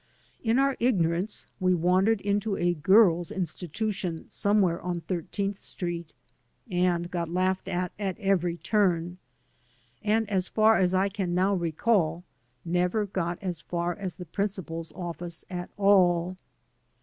In our ignorance we wandered into a girls' institution somewhere on Thirteenth Street, and got laughed at at every turn, and as far as I can now recall never got as far as the principal's office at all.